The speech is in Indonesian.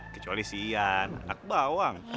kecuali si ian anak bawang